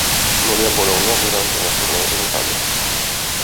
Morì a Bologna durante una tournée in Italia.